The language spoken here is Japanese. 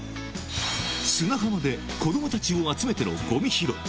砂浜で子どもたちを集めてのごみ拾い。